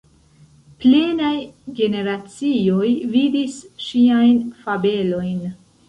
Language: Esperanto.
Plenaj generacioj vidis ŝiajn fabelojn.